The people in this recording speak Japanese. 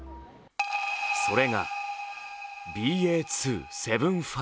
それが、ＢＡ．２．７５。